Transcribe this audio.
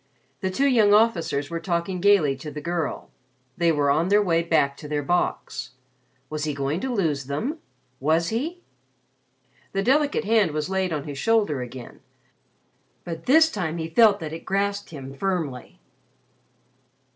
The two young officers were talking gaily to the girl. They were on their way back to their box. Was he going to lose them? Was he? The delicate hand was laid on his shoulder again, but this time he felt that it grasped him firmly.